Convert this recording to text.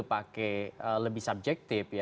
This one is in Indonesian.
pakai lebih subjektif